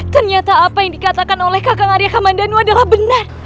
ternyata apa yang dikatakan oleh kakang arya kaman danu adalah benar